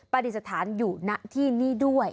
ปฏิสถานอยู่ณที่นี่ด้วย